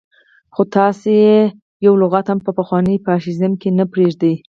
خو تاسو يې يو لغت هم په پخواني فاشيزم کې نه پرېږدئ.